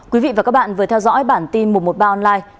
quý vị và các bạn vừa theo dõi bản tin một trăm một mươi ba online